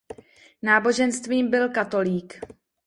Náboženstvím byl katolík.